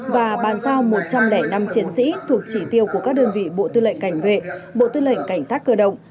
và bàn giao một trăm linh năm chiến sĩ thuộc chỉ tiêu của các đơn vị bộ tư lệnh cảnh vệ bộ tư lệnh cảnh sát cơ động